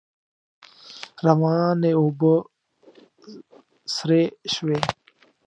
روانې اوبه سرې شوې.